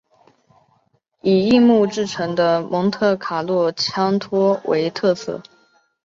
以硬木制成的蒙特卡洛枪托为特色。